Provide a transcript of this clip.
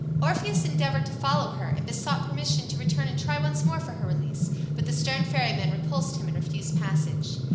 Orpheus endeavored to follow her, and besought permission to return and try once more for her release; but the stern ferryman repulsed him and refused passage.